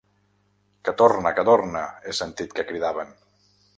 Que torna, que torna…, he sentit que cridaven.